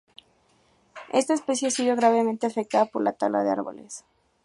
Esta especie ha sido gravemente afectada por la tala de árboles.